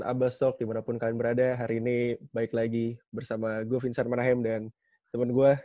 abel sok dimanapun kalian berada hari ini baik lagi bersama gue vincent manahem dan temen gue